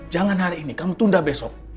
jangan hari ini kamu tunda besok